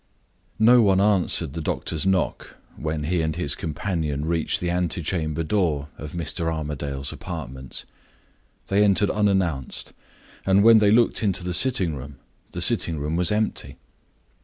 NO one answered the doctor's knock when he and his companion reached the antechamber door of Mr. Armadale's apartments. They entered unannounced; and when they looked into the sitting room, the sitting room was empty.